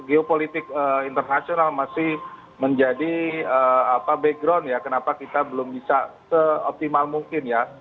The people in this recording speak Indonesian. geopolitik internasional masih menjadi background ya kenapa kita belum bisa seoptimal mungkin ya